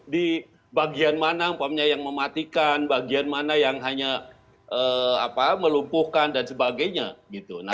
di bagian mana yang mematikan bagian mana yang hanya melumpuhkan dan sebagainya